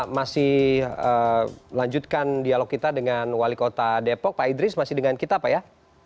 masih melanjutkan dialog kita dengan wali kota depok pak idris masih dengan kita pak ya